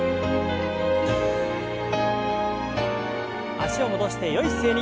脚を戻してよい姿勢に。